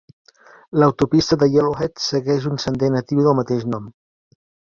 L'autopista de Yellowhead segueix un sender natiu del mateix nom.